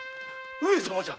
上様じゃ！